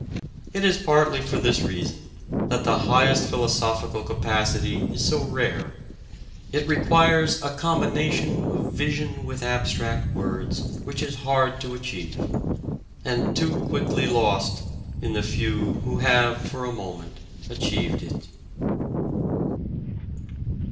It is partly for this reason that the highest philosophical capacity is so rare: it requires a combination of vision with abstract words which is hard to achieve, and too quickly lost in the few who have for a moment achieved it.